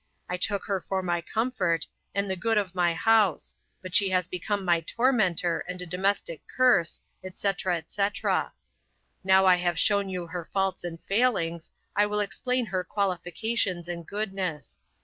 I took her for my comfort, and the good of my house, but she has become my tormentor and a domestic curse, &c. &c. Now I have shown you her faults and failings, I will explain her qualifications and goodness.